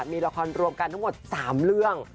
มีละครรวมกันทั้งหมด๓เรื่อง